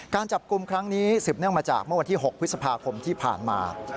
การจับกลุ่มครั้งนี้สืบเนื่องมาจากเมื่อวันที่๖พฤษภาคมที่ผ่านมา